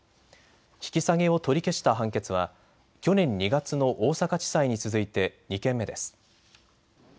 引き下げを取り消した判決は去年２月の大阪地裁に続いて２件目です。